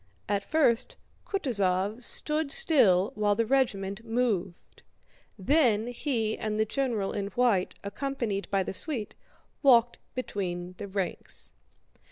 At first Kutúzov stood still while the regiment moved; then he and the general in white, accompanied by the suite, walked between the ranks.